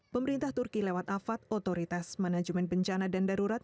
pemerintah turki lewat afad otoritas manajemen bencana dan darurat